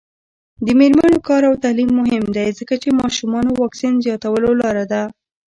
د میرمنو کار او تعلیم مهم دی ځکه چې ماشومانو واکسین زیاتولو لاره ده.